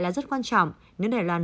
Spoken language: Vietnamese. là rất quan trọng nếu đài loan